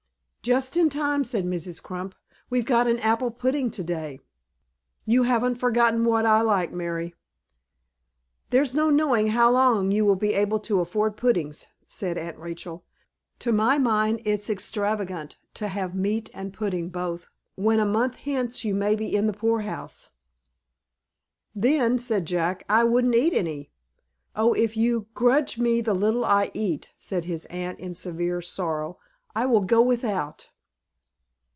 "Just in time," said Mrs. Crump. "We've got an apple pudding to day." "You haven't forgotten what I like, Mary." "There's no knowing how long you will be able to afford puddings," said Aunt Rachel. "To my mind it's extravagant to have meat and pudding both, when a month hence you may be in the poor house." "Then," said Jack, "I wouldn't eat any." "Oh, if you grudge me the little I eat," said his aunt, in severe sorrow, "I will go without."